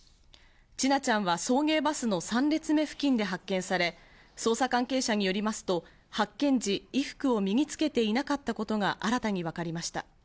千奈ちゃんは送迎バスの３列目付近で発見され、捜査関係者によりますと発見時、衣服を身につけていなかったことが新たに分かりました。